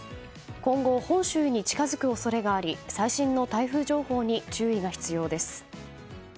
今後、本州に近づく恐れがあり最新の台風情報に注意が必要です。